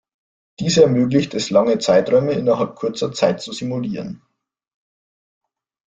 Dies ermöglicht es lange Zeiträume innerhalb kurzer Zeit zu simulieren.